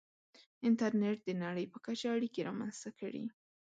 • انټرنېټ د نړۍ په کچه اړیکې رامنځته کړې.